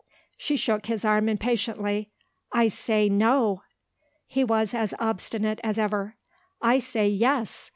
She shook his arm impatiently. "I say, No!" He was as obstinate as ever. "I say, Yes!